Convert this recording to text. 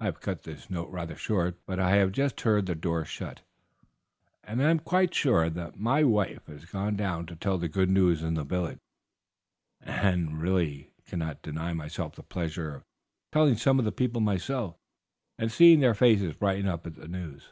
I have cut this note rather short, but I have just heard the door shut, and I am quite sure that my wife has gone down to tell the good news in the village, and I really cannot deny myself the pleasure of telling some of the people myself, and seeing their faces brighten up at the news."